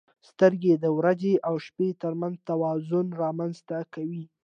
• سترګې د ورځې او شپې ترمنځ توازن رامنځته کوي.